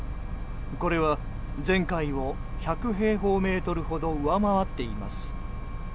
これは前回を１００平方メートルほど上回っています。